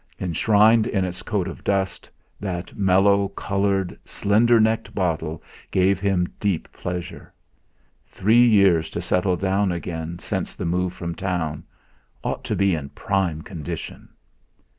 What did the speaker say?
Enshrined in its coat of dust, that mellow coloured, slender necked bottle gave him deep pleasure. Three years to settle down again since the move from Town ought to be in prime condition!